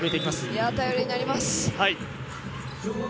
いや、頼りになります。